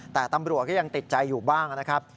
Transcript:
แต่ตำรวจก็ยังติดใจอยู่บ้างนะครับ